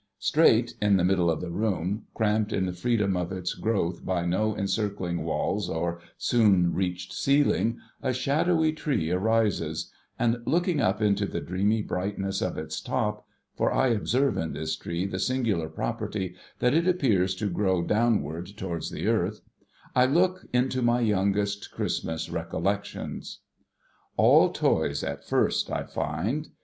Straight, in the middle of the room, cramped in the freedom of its growth by no encircling walls or soon reached ceiling, a shadowy tree arises ; and, looking up into the dreamy brightness of its top — for I observe in this tree the singular property that it appears to grow downward towards the earth — I look into my youngest Christmas recollections ! All toys at first, I. find.